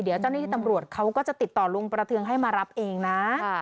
เดี๋ยวเจ้าหน้าที่ตำรวจเขาก็จะติดต่อลุงประเทืองให้มารับเองนะ